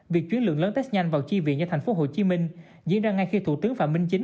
việc chuyển lượng lớn test nhanh vào chi viện cho tp hcm diễn ra ngay khi thủ tướng phạm minh chính